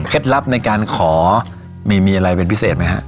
ลับในการขอมีอะไรเป็นพิเศษไหมฮะ